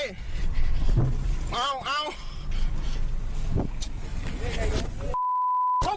เขาบอกว่าต่างคนต่างปลาย